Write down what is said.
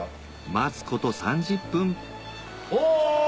待つこと３０分お！